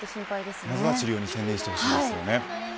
今は治療に専念してほしいですよね。